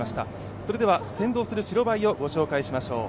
それでは先導する白バイをご紹介しましょう。